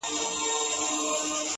د يوسفي ښکلا چيرمنې نوره مه راگوره،